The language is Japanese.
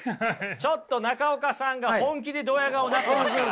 ちょっと中岡さんが本気でドヤ顔なってますから。